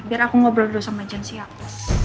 biar aku ngobrol dulu sama jensea aku